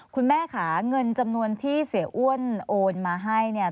คุณแม่ค่ะเงินจำนวนที่เสียอ้วนโอนมาให้เนี่ย